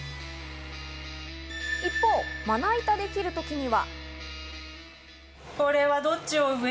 一方、まな板で切る時には。